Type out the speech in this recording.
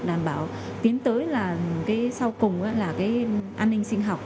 đảm bảo tiến tới sau cùng là an ninh sinh học